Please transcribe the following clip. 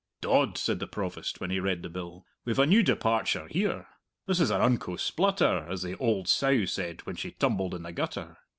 "Dod!" said the Provost, when he read the bill, "we've a new departure here! This is an unco splutter, as the oald sow said when she tumbled in the gutter."